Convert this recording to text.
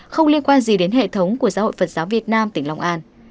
không liên quan gì đến hệ thống của giáo hội phật giáo việt nam tỉnh long an